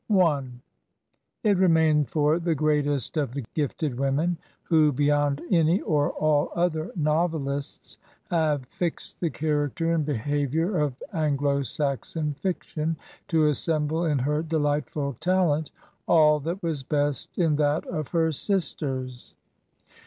It remained for the greatest of the gifted women, who beyond any or all other novelists have fixed the charac ter and behavior of Anglo Saxon fiction, to assemble in her delightful talent all that was best in that of her sis ters.